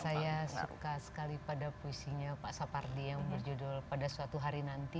saya suka sekali pada puisinya pak sapardi yang berjudul pada suatu hari nanti